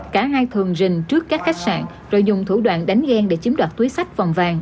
cả hai thường rình trước các khách sạn rồi dùng thủ đoạn đánh ghen để chiếm đoạt túi sách vòng vàng